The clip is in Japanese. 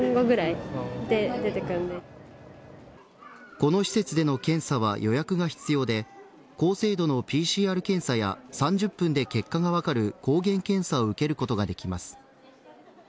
この施設での検査は予約が必要で高精度のＰＣＲ検査や３０分で結果が分かる抗原検査を受けることができます。